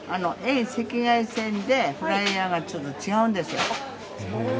遠赤外線でフライヤーがちょっと違うんです。